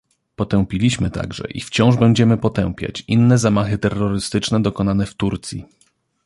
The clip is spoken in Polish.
Potępiliśmy także i wciąż będziemy potępiać inne zamachy terrorystyczne dokonane w Turcji